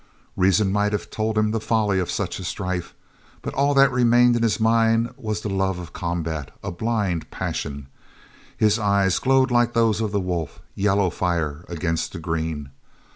Reason might have told him the folly of such a strife, but all that remained in his mind was the love of combat a blind passion. His eyes glowed like those of the wolf, yellow fire against the green.